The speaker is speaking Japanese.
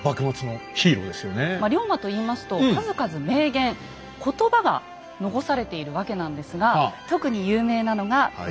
龍馬といいますと数々名言言葉が残されているわけなんですが特に有名なのがこちらですね。